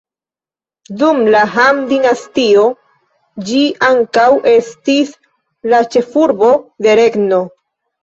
Dum la Han-dinastio ĝi ankaŭ estis la ĉefurbo de regno.